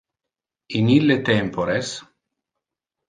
In ille tempores